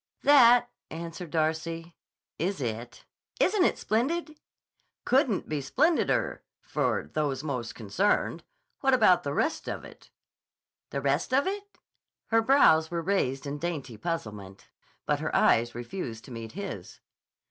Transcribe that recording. "That," answered Darcy, "is it. Isn't it splendid!" "Couldn't be splendider—for those most concerned. What about the rest of it?" "The rest of it?" Her brows were raised in dainty puzzlement, but her eyes refused to meet his.